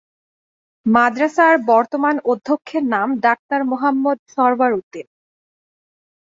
মাদ্রাসার বর্তমান অধ্যক্ষের নাম ডাক্তার মোহাম্মদ সরওয়ার উদ্দিন।